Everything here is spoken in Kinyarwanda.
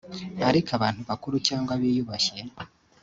ariko abantu bakuru cyangwa biyubashye